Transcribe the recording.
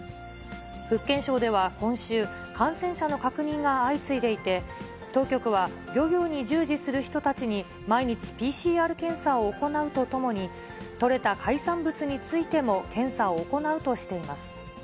福建省では今週、感染者の確認が相次いでいて、当局は漁業に従事する人たちに、毎日ＰＣＲ検査を行うとともに、取れた海産物についても、検査を行うとしています。